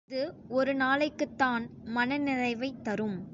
அஃது ஒரு நாளைக்குத்தான் மனநிறைவைத் தரும்.